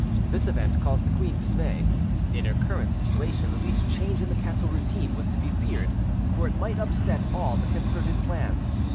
This event caused the queen dismay: in her situation the least change in the castle routine was to be feared, for it might upset all the concerted plans.